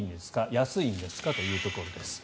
安いんですかというところです。